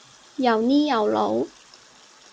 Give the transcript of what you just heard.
又呢又路？